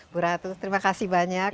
bu ratu terima kasih banyak